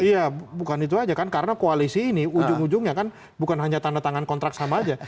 iya bukan itu aja kan karena koalisi ini ujung ujungnya kan bukan hanya tanda tangan kontrak sama aja